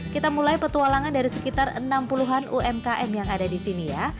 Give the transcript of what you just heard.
kita mulai petualangan dari sekitar enam puluh an umkm yang ada di sini ya